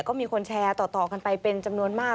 ก็มีคนแชร์ต่อกันไปเป็นจำนวนมาก